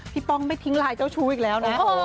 พี่ป้องไม่ทิ้งไลน์เจ้าชูอีกแล้ว